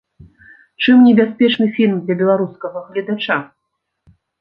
Чым небяспечны фільм для беларускага гледача?